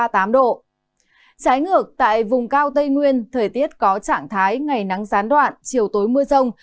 trái ngược tại vùng cao tây nguyên thời tiết có trạng thái ngày nắng gián đoạn chiều tối mưa rông